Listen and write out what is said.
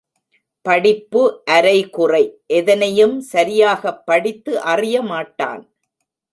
படிப்பு அரைகுறை எதனையும் சரியாகப் படித்து அறியமாட்டான்.